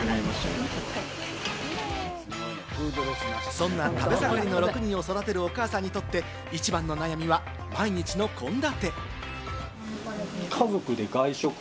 そんな食べ盛りの６人を育てるお母さんにとって一番の悩みは毎日の献立。